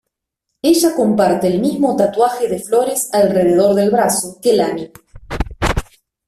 Ella comparte el mismo tatuaje de flores alrededor del brazo que Lanny.